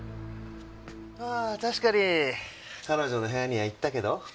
ああ確かに彼女の部屋には行ったけど？